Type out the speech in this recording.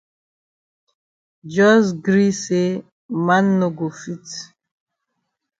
Jos gree say man no go fit.